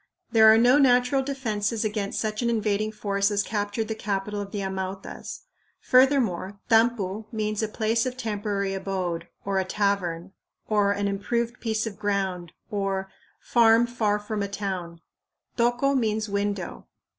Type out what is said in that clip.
There are no natural defenses against such an invading force as captured the capital of the Amautas. Furthermore, tampu means "a place of temporary abode," or "a tavern," or "an improved piece of ground" or "farm far from a town"; tocco means "window."